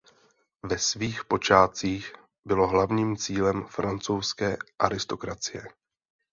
Ve svých počátcích bylo hlavním cílem francouzské aristokracie.